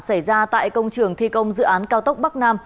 xảy ra tại công trường thi công dự án cao tốc bắc nam